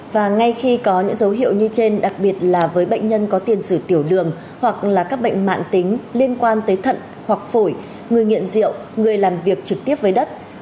và ngay khi có những dấu hiệu như trên đặc biệt là với bệnh nhân có tiền sử tiểu đường hoặc là các bệnh mạng tính liên quan tới thận hoặc phổi người nghiện rượu người làm việc trực tiếp với đất